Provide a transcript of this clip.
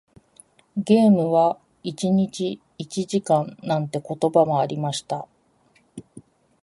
ゲームは一日一時間なんて言葉もありました。